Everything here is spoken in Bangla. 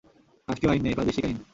রাষ্ট্রীয় আইন নেই, প্রাদেশিক আইন।